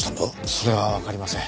それはわかりません。